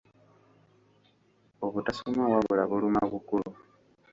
Obutasoma wabula buluma bukulu.